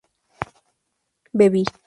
bebí